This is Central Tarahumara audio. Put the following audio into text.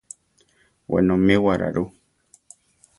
Wenomíwara rú?